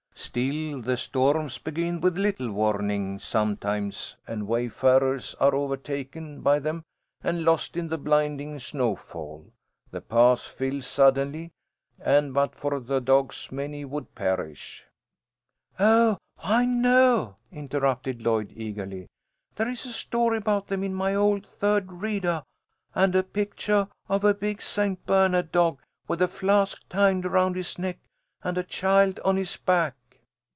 Still, the storms begin with little warning sometimes, and wayfarers are overtaken by them and lost in the blinding snowfall. The paths fill suddenly, and but for the dogs many would perish." "Oh, I know," interrupted Lloyd, eagerly. "There is a story about them in my old third readah, and a pictuah of a big St. Bernard dog with a flask tied around his neck, and a child on his back."